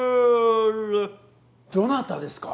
どなたですか？